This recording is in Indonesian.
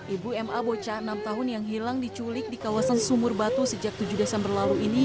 ibu ma bocah enam tahun yang hilang diculik di kawasan sumur batu sejak tujuh desember lalu ini